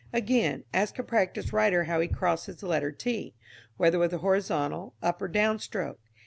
Again, ask a practised writer how he crosses the letter t whether with a horizontal, up or down stroke?